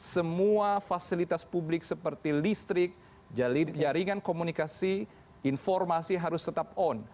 semua fasilitas publik seperti listrik jaringan komunikasi informasi harus tetap on